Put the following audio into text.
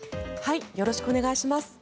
よろしくお願いします。